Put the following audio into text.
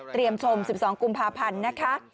เตรียมชม๑๒กุมภาพันธุ์นะคะ